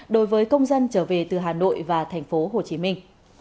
đối với công dân trở về từ hà nội và thành phố hồ chí minh